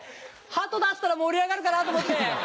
ハト出したら盛り上がるかなと思って。